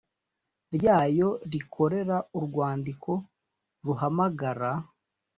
ryayo rikorera urwandiko ruhamagara